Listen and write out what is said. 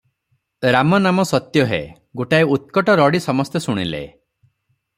ରାମ ନାମ ସତ୍ୟ ହେ!' ଗୋଟାଏ ଉତ୍କଟ ରଡି ସମସ୍ତେ ଶୁଣିଲେ!